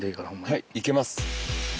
はい行けます。